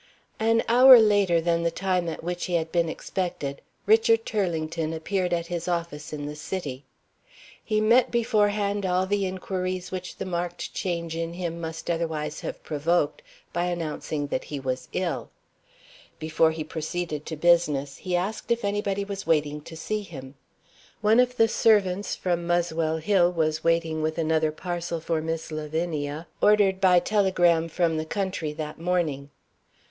An hour later than the time at which he had been expected, Richard Turlington appeared at his office in the city. He met beforehand all the inquiries which the marked change in him must otherwise have provoked, by announcing that he was ill. Before he proceeded to business, he asked if anybody was waiting to see him. One of the servants from Muswell Hill was waiting with another parcel for Miss Lavinia, ordered by telegram from the country that morning.